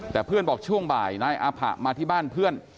แต่เพื่อนบอกช่วงบ่ายนายอาผะมาที่บ้านเพื่อน